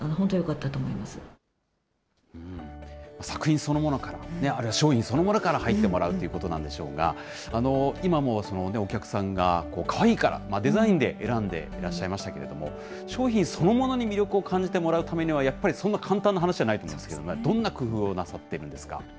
作品そのものから、あるいは商品そのものから入ってもらうということなんでしょうが、今もお客さんがかわいいから、デザインで選んでいらっしゃいましたけれども、商品そのものに魅力を感じてもらうためには、やっぱりそんな簡単な話じゃないと思いますけれどもね、どんな工夫をな